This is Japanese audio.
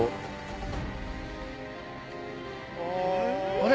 あれ？